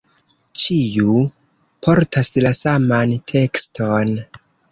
Ĉiu portas la saman tekston.